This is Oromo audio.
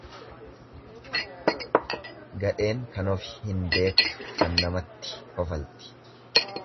Gadheen kanofi hin beektu kan namatti kofalti.